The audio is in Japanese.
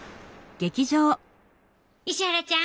石原ちゃん。